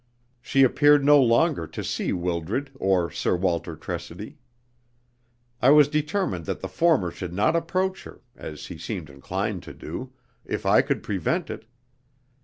She appeared no longer to see Wildred or Sir Walter Tressidy. I was determined that the former should not approach her (as he seemed inclined to do) if I could prevent it.